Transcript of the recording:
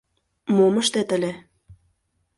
— Мом ыштет ыле?